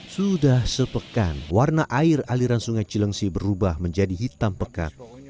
sudah sepekan warna air aliran sungai cilengsi berubah menjadi hitam pekat